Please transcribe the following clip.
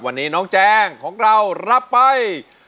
วันนี้น้องแจงของเรารับไป